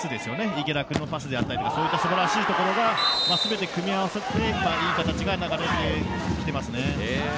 池田君のパスであったりそういった、素晴らしいところが全て組み合わさっていい形が流れてきていますね。